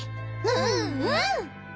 うんうん！